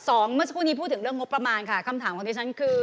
เมื่อสักครู่นี้พูดถึงเรื่องงบประมาณค่ะคำถามของดิฉันคือ